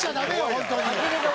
本当に。